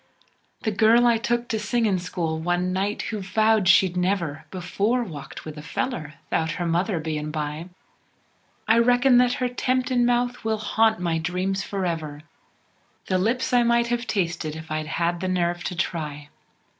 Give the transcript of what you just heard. The girl I took t' singin' school one night, who vowed she'd never Before walked with a feller 'thout her mother bein' by, I reckon that her temptin' mouth will haunt my dreams forever, The lips I might have tasted if I'd had the nerve t' try!